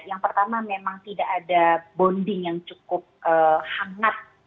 yang pertama memang tidak ada bonding yang cukup hangat